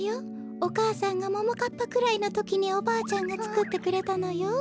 お母さんがももかっぱくらいのときにおばあちゃんがつくってくれたのよ。